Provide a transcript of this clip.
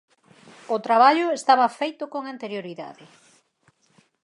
O traballo estaba feito con anterioridade.